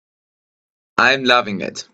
I'm loving it.